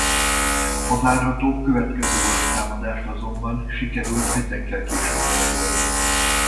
A várható következő olasz támadást azonban sikerült hetekkel későbbre tolni